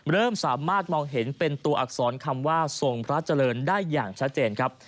เริ่มสามารถมองเห็นเป็นตัวอักษรคำว่าทรงพระเจริญได้อย่างชัดเจนครับ